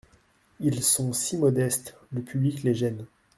Ils sont si modestes ! le public les gêne.